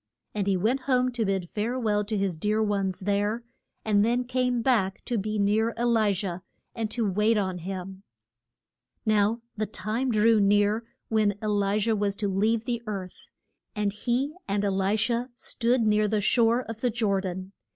And he went home to bid fare well to his dear ones there, and then came back to be near E li jah and to wait on him. [Illustration: E LI JAH GOES TO HEAV EN.] Now the time drew near when E li jah was to leave the earth. And he and E li sha stood near the shore of the Jor dan.